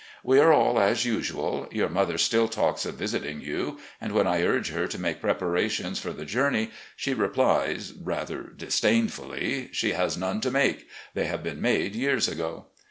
We are all as usual. Your mother still talks of visiting you, and when I urge her to make preparations for the journey, she replies rather disdainfully she has none to make; they have been made years ago.